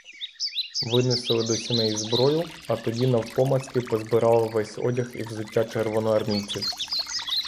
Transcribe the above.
Винесли до сіней зброю, а тоді навпомацки позбирали весь одяг і взуття червоно- армійців.